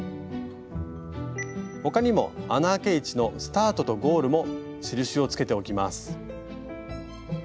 他にも穴あけ位置のスタートとゴールも印をつけておきます。